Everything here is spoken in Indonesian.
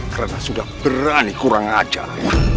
karena sudah berani kurang ajar